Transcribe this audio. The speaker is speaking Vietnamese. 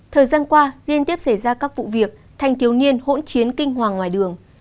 thời gian qua liên tiếp xảy ra các vụ việc thành tiếu niên hỗn chiến kinh hoàng ngoài đường